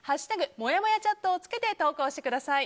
「＃もやもやチャット」をつけて投稿してください。